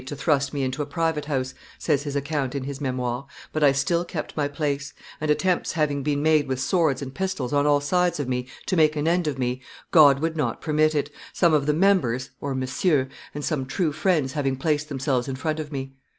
to thrust me into a private house," says his account in his Memoires, "but I still kept my place; and, attempts having been made with swords and pistols on all sides of me to make an end of me, God would not permit it, some of the members (Messieurs) and some true friends having placed themselves in front of me.